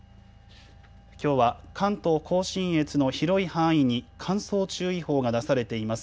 きょうは関東甲信越の広い範囲に乾燥注意報が出されています。